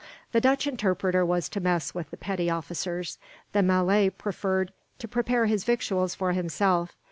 The Dutch interpreter was to mess with the petty officers. The Malay preferred to prepare his victuals for himself.